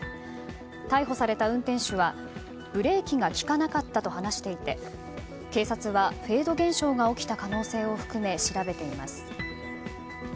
逮捕された運転手はブレーキが利かなかったと話していて警察はフェード現象が起きた可能性を含め調べています。